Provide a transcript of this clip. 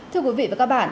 thưa quý vị và các bạn